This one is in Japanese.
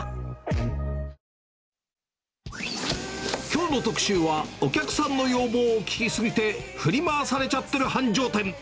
きょうの特集は、お客さんの要望を聞き過ぎて振り回されちゃってる繁盛店。